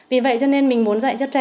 vì vậy cho nên mình muốn dạy cho trẻ